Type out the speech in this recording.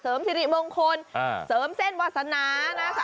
เสริมศิลิมงคลเสริมเส้นวาสนา